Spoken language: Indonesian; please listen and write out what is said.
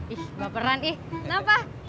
ih baperan ih kenapa